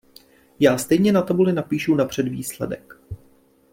Já stejně na tabuli napíšu napřed výsledek.